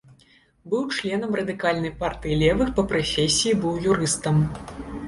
Быў членам радыкальнай партыі левых, па прафесіі быў юрыстам.